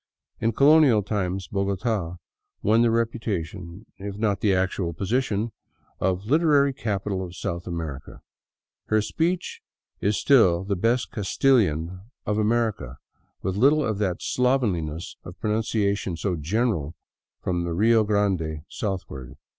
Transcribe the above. In colonial times Bogota won the reputation, if not the actual posi tion, of " literary capital of South America." Her speech is still the best Castilian of America, with little of that slovenliness of pro nunciation so general from the Rio Grande southward.